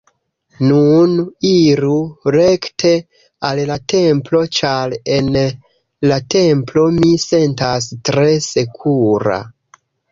Nun, iru rekte al la templo, ĉar en la templo, mi sentas tre sekura.